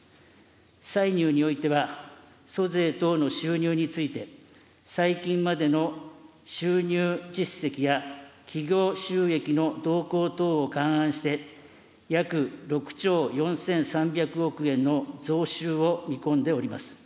歳入においては、租税等の収入について、最近までの収入実績や企業収益の動向等を勘案して、約６兆４３００億円の増収を見込んでおります。